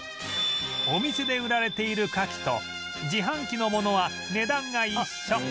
お店で売られているカキと自販機のものは値段が一緒